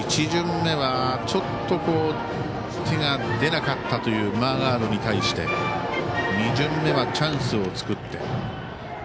１巡目はちょっと手が出なかったというマーガードに対して２巡目はチャンスを作って。